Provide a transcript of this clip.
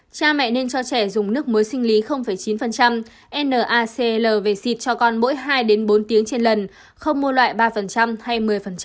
cha mẹ nên cho trẻ dùng nước muối sinh lý chín nacl về xịt cho con mỗi hai đến bốn tiếng trên lần không mua loại ba hay một mươi